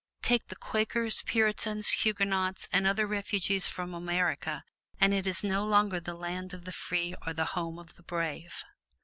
Take the Quakers, Puritans, Huguenots and other refugees from America and it is no longer the land of the free or the home of the brave.